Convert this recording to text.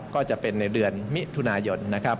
ก็จะเป็นในเดือนมิถุนายน